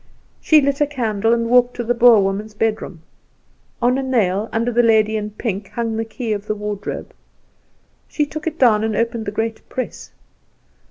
She lit a candle, and walked to the Boer woman's bedroom. On a nail under the lady in pink hung the key of the wardrobe. She took it down and opened the great press.